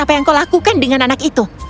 apa yang kau lakukan dengan anak itu